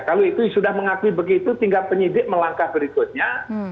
kalau itu sudah mengakui begitu tinggal penyidik melangkah berikutnya